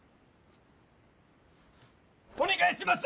「お願いします！」